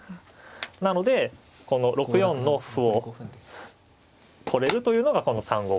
なのでこの６四の歩を取れるというのがこの３五歩のポイントで。